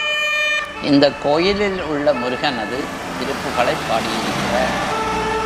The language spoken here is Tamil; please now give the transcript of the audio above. இந்தக் கோயிலில் உள்ள முருகனது திருப்புகழைப் பாடியிருக்கிறார்.